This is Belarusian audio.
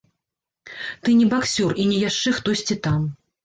Ты не баксёр і не яшчэ хтосьці там!